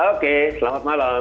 oke selamat malam